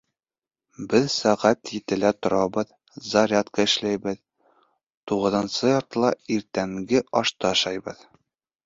Беҙ сәғәт етелә торабыҙ, зарядка эшләйбеҙ, туғыҙынсы яртыла иртәнге ашты ашайбыҙ.